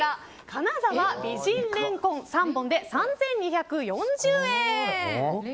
金澤美人れんこん３本で３２４０円。